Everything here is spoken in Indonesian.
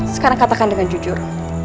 sekarang katakan dengan jujur